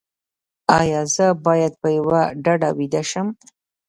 ایا زه باید په یوه ډډه ویده شم؟